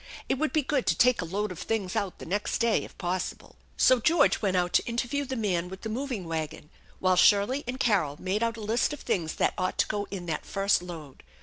It would be good to take a load of things out the next day if possible. So George went out to interview the man with the moving" wagon, while Shirley and Carol made out a list of things that ought to go in that first load.